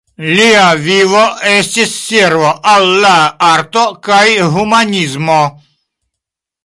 Lia vivo estis servo al la arto kaj la humanismo.